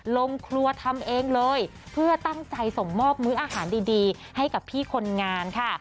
ลงครัวทำเองเลยเพื่อตั้งใจส่งมอบมื้ออาหารดีให้กับพี่คนงานค่ะ